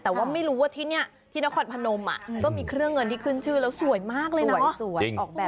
แต่ว่าไม่รู้ว่าที่นี่ที่นครพนมก็มีเครื่องเงินที่ขึ้นชื่อแล้วสวยมากเลยนะ